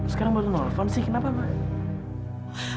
sekarang baru nelfon sih kenapa mbak